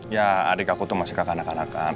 ya adik aku tuh masih kekanakan kanakan